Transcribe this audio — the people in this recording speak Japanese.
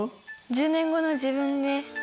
１０年後の自分です。